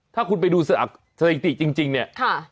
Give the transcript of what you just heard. ถ้าคุณไปดูสถิติจริงเนี่ย